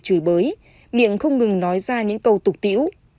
đạt không ngừng nói ra những câu chửi bới miệng không ngừng nói ra những câu tục tiễu